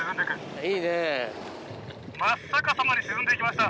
真っ逆さまに沈んで行きました。